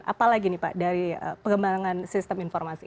apalagi nih pak dari pengembangan sistem informasi